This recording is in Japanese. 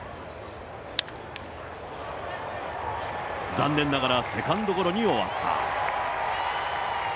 残念ながら、セカンドゴロに終わった。